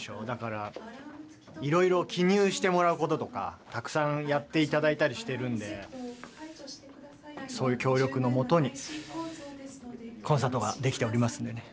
だからいろいろ記入してもらうこととかたくさんやって頂いたりしてるんでそういう協力のもとにコンサートができておりますんでね。